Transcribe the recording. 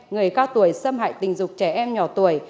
người cao tuổi xâm hại tình dục trẻ em nhỏ tuổi